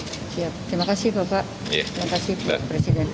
siap terima kasih bapak terima kasih pak presiden